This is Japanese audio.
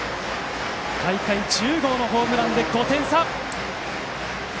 大会１０号のホームランで５点差。